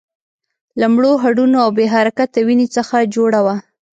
له مړو هډونو او بې حرکته وينې څخه جوړه وه.